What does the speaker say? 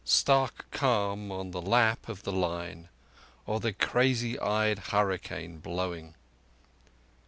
Stark calm on the lap of the Line—or the crazy eyed hurricane blowing?